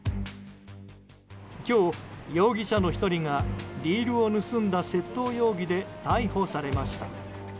今日、容疑者の１人がリールを盗んだ窃盗容疑で逮捕されました。